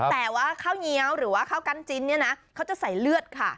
แต่ว่าข้าวเงี้ยวหรือว่าข้าวกันจิ้นเนี่ยนะเขาจะใส่เลือดค่ะ